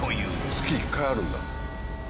月１回あるんだ。